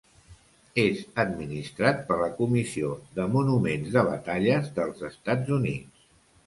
És administrat per la Comissió de Monuments de Batalles dels Estats Units.